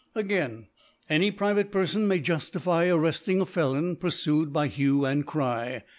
Again, any private Perfon may juftify arrefting a Felon purfued by Hue and Cry.